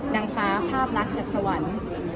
นางฟ้าภาพลักษณ์จากสวรรค์